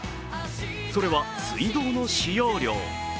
それは水道の使用量。